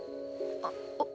あっ！